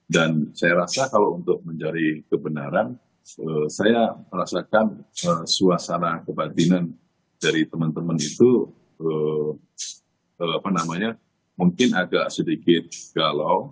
dan saya rasa kalau untuk mencari kebenaran saya merasakan suasana kebatinan dari teman teman itu mungkin agak sedikit galau